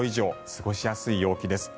過ごしやすい陽気です。